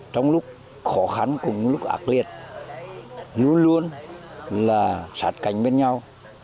trong lúc khó khăn cùng lúc ác liệt luôn luôn là sát cánh bên nhau